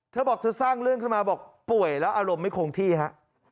เธอบอกเธอสร้างเรื่องขึ้นมาบอกป่วยแล้วอารมณ์ไม่คงที่ฮะ